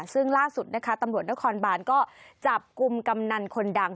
ซึ่งล่าสุดนะคะตำรวจนครบานก็จับกลุ่มกำนันคนดัง